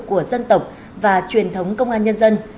của dân tộc và truyền thống công an nhân dân